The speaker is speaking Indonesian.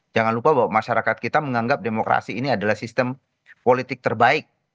jangan lupa bahwa masyarakat kita menganggap demokrasi ini adalah sistem politik terbaik